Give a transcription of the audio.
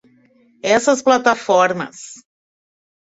Essas plataformas